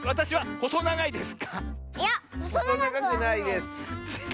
ほそながくないです。